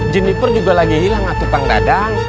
jennifer juga lagi hilang atu kang dadang